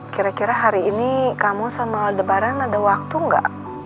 kira kira hari ini kamu sama lebaran ada waktu nggak